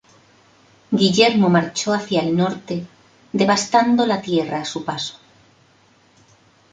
Guillermo marchó hacia el norte, devastando la tierra a su paso.